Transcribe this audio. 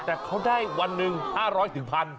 แต่เขาได้วันหนึ่งห้าร้อยถึงพัน